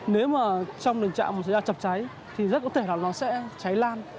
nếu mà trong đường chạm một số nhà chập cháy thì rất có thể là nó sẽ cháy lan